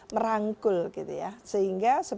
merangkul gitu ya sehingga